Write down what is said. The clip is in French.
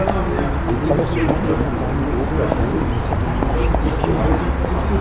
Ils traversent donc des montagnes et hauts plateaux mais certains franchissent des fjords.